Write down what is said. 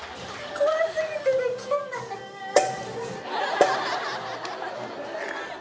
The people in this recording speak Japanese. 怖すぎてできない。